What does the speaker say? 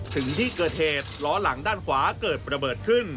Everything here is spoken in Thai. ถึงที่เกิดเหตุล้อหลังด้านขวาเกิดระเบิดขึ้น